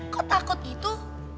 kok takut gitu